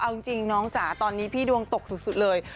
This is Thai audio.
เอาจริงน้องจ๋าตอนนี้พี่ดวงตกสุดเลย